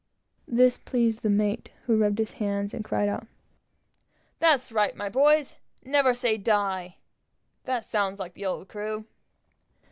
This pleased the mate, who rubbed his hands and cried out "That's right, my boys; never say die! That sounds like the old crew!"